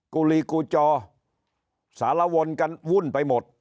กูลีกูจอสารวนกันวุ่นไปหมด